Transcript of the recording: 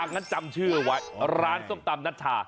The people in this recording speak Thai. งั้นจำชื่อไว้ร้านส้มตำนัชชา